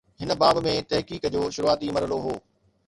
هن باب ۾ تحقيق جو شروعاتي مرحلو هو.